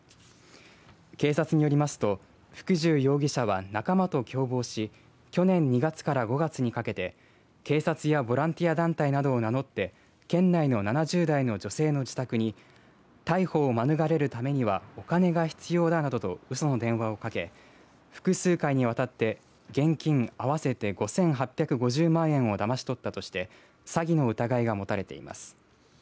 警察によりますと福重容疑者は仲間と共謀し去年２月から５月にかけて警察やボランティア団体などを名乗って県外の７０代の女性の自宅に逮捕を免れるためにはお金が必要だなどとうその電話をかけ複数回にわたって現金合わせて５８５０万円をだまし取ったとして詐欺の疑いが持たれています。